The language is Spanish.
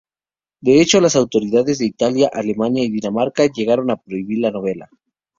De hecho, las autoridades de Italia, Alemania y Dinamarca llegaron a prohibir la novela.